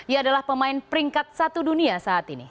ia adalah pemain peringkat satu dunia saat ini